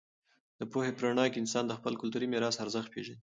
د پوهې په رڼا کې انسان د خپل کلتوري میراث ارزښت پېژني.